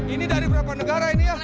ini dari berapa negara ini ya